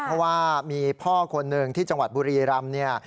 เพราะว่ามีพ่อคนหนึ่งที่จังหวัดบุรีรำเนี่ย